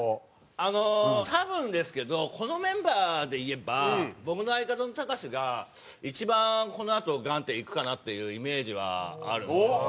あの多分ですけどこのメンバーで言えば僕の相方の隆が一番このあとガーンっていくかなっていうイメージはあるんですよね。